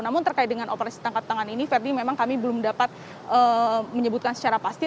namun terkait dengan operasi tangkap tangan ini verdi memang kami belum dapat menyebutkan secara pasti